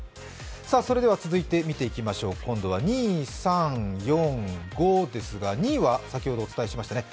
続いて今度は２位、３位、４位、５位ですが、２位は先ほどお伝えしましたね。